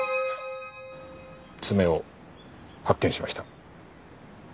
爪を発見しました。